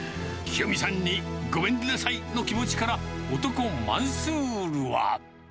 きよみさんにごめんなさいの気持ちから、男、マンスールは。